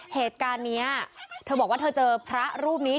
เหตุการณ์นี้เธอบอกว่าเธอเจอพระรูปนี้